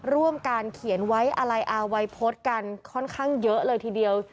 ร่วมการเขียนไว้อะไรเอาไว้โพสต์กันค่อนข้างเยอะเลยทีเดียว